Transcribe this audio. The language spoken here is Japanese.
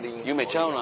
ちゃうわ。